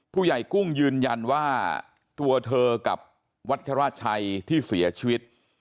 ผู้ใหญ่กุ้งยืนยันว่าตัวเธอกับวัชราชัยที่เสียชีวิต